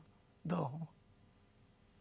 どうも。